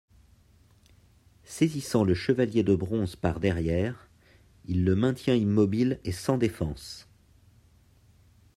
Saisissant le chevalier de bronze par derrière, il le maintient immobile et sans défense.